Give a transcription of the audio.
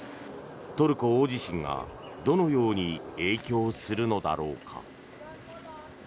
トルコ大地震がどのように影響するのだろうか。